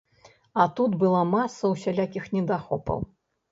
А тут была маса усялякіх недахопаў.